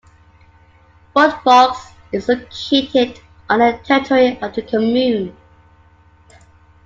Fort Vaux is located on the territory of the commune.